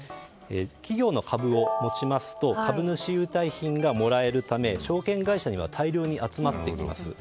企業の株を持ちますと株主優待品がもらえるため証券会社には大量に集まってきます。